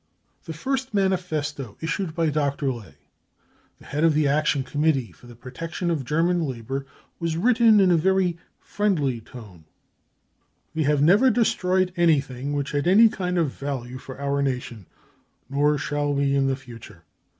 The first manifesto issued by Dr. Ley, the head of the " Action Committee for the Protection of German Labour," was written in a very ££ friendly " tone :" We have never destroyed anything which had any kind of value for our nation, nor shall we in the future.